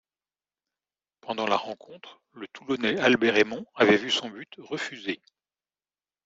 Pendant la rencontre, le Toulonnais Albert Emon avait vu son but refusé.